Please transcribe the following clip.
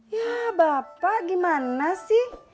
ya bapak gimana sih